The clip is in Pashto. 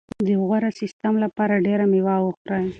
د غوره سیستم لپاره ډېره مېوه وخورئ.